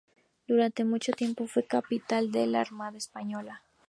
Durante mucho tiempo fue Capitán de la Armada española.